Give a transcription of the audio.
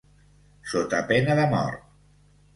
Sota pena de mort.